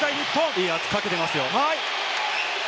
いい圧かけていますよ。